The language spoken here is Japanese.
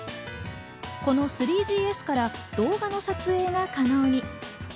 この３ＧＳから動画の撮影が可能に。